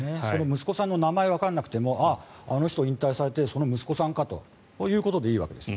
息子さんの名前はわからなくてもあの人引退されてその息子さんかということでいいわけです。